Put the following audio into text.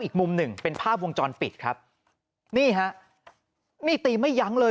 อีกมุมหนึ่งเป็นภาพวงจรปิดครับนี่ฮะมีดตีไม่ยั้งเลย